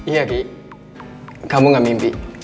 iya gi kamu gak mimpi